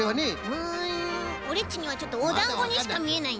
うんオレっちにはちょっとおだんごにしかみえない。